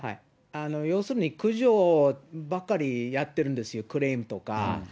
要するに苦情ばっかりやってるんですよ、クレームとか。